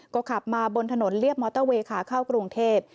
ก็ขับมาบนถนนเรียบมอเตอร์เวย์ขาเข้ากรุงเทพ